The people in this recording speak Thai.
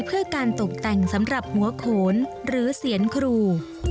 เพื่อการตกแต่งสำหรับหัวโขนหรือเสียนครู